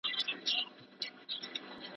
څېړونکی باید د موضوع هر اړخ ته پام وکړي.